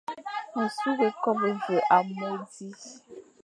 Ma sughé kobe ve amô di,